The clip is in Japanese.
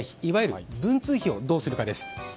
いわゆる文通費をどうするかです。